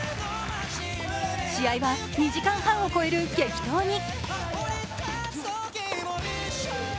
試合は２時間半を超える激闘に。